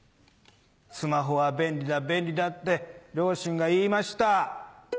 スマホは便利だ便利だって両親が言いました。